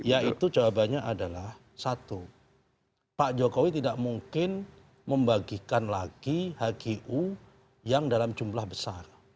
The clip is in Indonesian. ya itu jawabannya adalah satu pak jokowi tidak mungkin membagikan lagi hgu yang dalam jumlah besar